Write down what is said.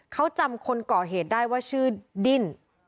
เขาจำคนก่อเหตุได้ว่าชื่อดิ้น